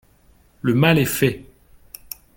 Le mal est fait